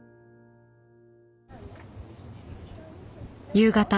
夕方。